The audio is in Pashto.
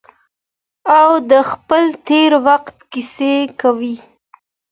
او د خپل تیر وخت کیسې کوي.